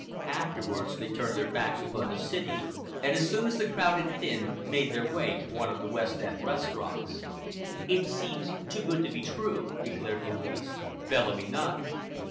Afterwards they turned their backs upon the city, and as soon as the crowd had thinned made their way to one of the west end restaurants. "It seems too good to be true," declared Louise. Bellamy nodded.